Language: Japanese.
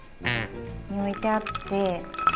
に置いてあって。